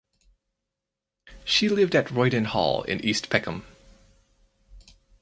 She lived at Royden Hall in East Peckham.